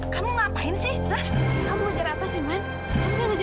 kamu ngapain sih kamu cara apa sih men